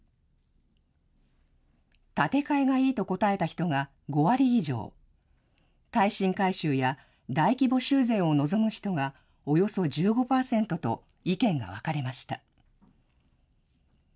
建て替えがいいと答えた人が５割以上、耐震改修や大規模修繕を望む人がおよそ１５％と、意見が分かれました。